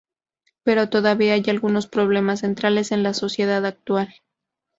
Pero todavía hay algunos problemas centrales en la sociedad actual.